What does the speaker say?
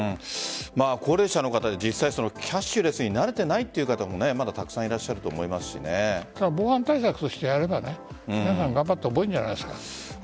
高齢者の方で実際にキャッシュレスに慣れていないという方もまだたくさん防犯対策としてやれば皆さん頑張って覚えるんじゃないですか。